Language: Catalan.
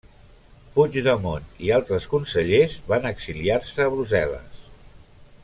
Puigdemont i altres consellers van exiliar-se a Brussel·les.